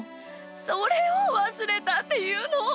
それをわすれたっていうの！